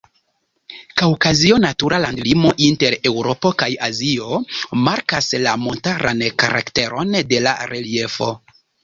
Kaŭkazio, natura landlimo inter Eŭropo kaj Azio, markas la montaran karakteron de la reliefo.